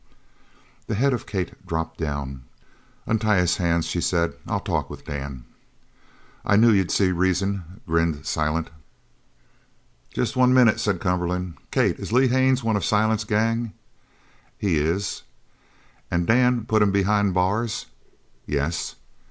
The head of Kate dropped down. "Untie his hands," she said. "I'll talk with Dan." "I knew you'd see reason," grinned Silent. "Jest one minute," said Cumberland. "Kate, is Lee Haines one of Silent's gang?" "He is." "An' Dan put him behind the bars?" "Yes."